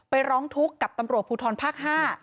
ร้องทุกข์กับตำรวจภูทรภาค๕